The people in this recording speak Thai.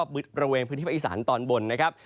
บริเวณพื้นที่ภาคอีสานตอนบนนะครับ